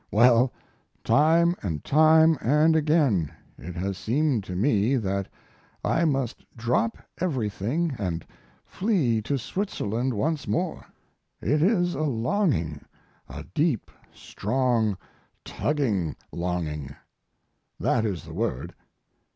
Well, time and time and again it has seemed to me that I must drop everything and flee to Switzerland once more. It is a longings deep, strong, tugging longing. That is the word.